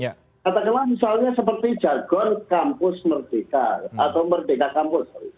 kata kelola misalnya seperti jargon kampus merdeka atau merdeka kampus